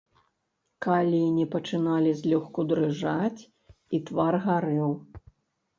Калені пачыналі злёгку дрыжаць, і твар гарэў.